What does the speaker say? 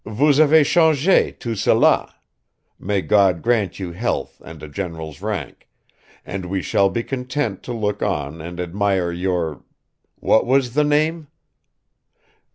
Vous avez changé tout cela; may God grant you health and a general's rank, and we shall be content to look on and admire your ... what was the name?"